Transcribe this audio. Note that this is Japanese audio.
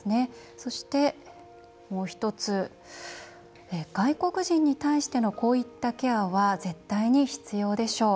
そして、外国人に対してのこういったケアは絶対に必要でしょう。